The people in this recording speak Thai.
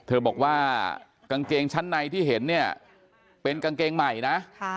เธอบอกว่ากางเกงชั้นในที่เห็นเนี่ยเป็นกางเกงใหม่นะ